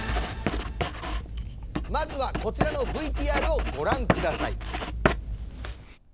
まずはこちらのＶＴＲをごらんください。